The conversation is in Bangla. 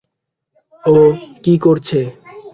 ও কী করছে?